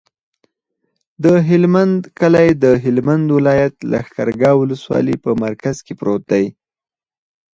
د هلمند کلی د هلمند ولایت، لښکرګاه ولسوالي په مرکز کې پروت دی.